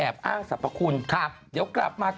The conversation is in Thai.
ป๊อปแปบมาก